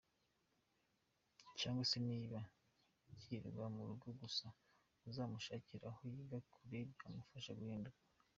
Cg se niba yirirwa mu rugo gusa uzamushakire aho yiga kure byamufasha guhinduka.